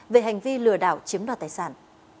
về hành vi lừa đảo chiếm đoạt tài sản